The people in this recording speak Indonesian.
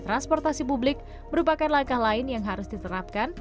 transportasi publik merupakan langkah lain yang harus diterapkan